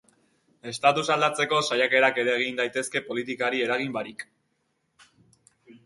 Estatusa aldatzeko saiakerak ere egin daitezke politikari eragin barik.